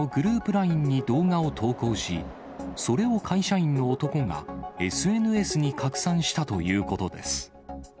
ＬＩＮＥに動画を投稿し、それを会社員の男がＳＮＳに拡散したということです。